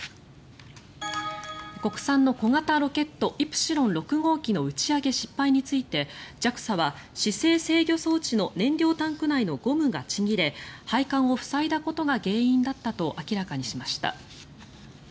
国産の小型ロケットイプシロン６号機の打ち上げ失敗についてＪＡＸＡは姿勢制御装置の燃料タンク内のゴムがちぎれ配管を塞いだことが原因だったと明らかにしました。